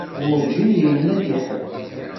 Werǧin yenna-t i ḥedd.